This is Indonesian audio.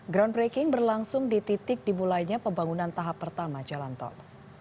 groundbreaking berlangsung di titik dimulainya pembangunan tahap pertama jalan tol